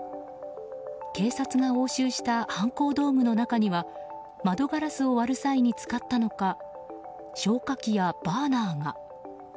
警察が押収した犯行道具の中には窓ガラスを割る際に使ったのか消火器やバーナーが。